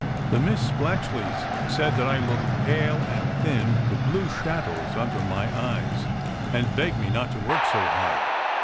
The Miss Splatchleys said that I looked pale and thin, with blue shadows under my eyes, and begged me not to work so hard.